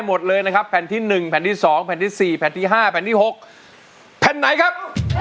ตัวช่วยละครับเหลือใช้ได้อีกสองแผ่นป้ายในเพลงนี้จะหยุดทำไมสู้อยู่แล้วนะครับ